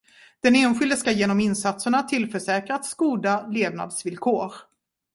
Den enskilde ska genom insatserna tillförsäkras goda levnadsvillkor.